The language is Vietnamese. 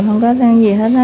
không có làm gì hết